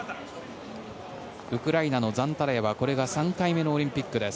ウクライナのザンタラヤはこれが３回目のオリンピックです。